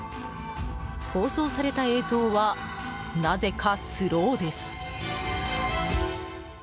放送された映像はなぜかスローです。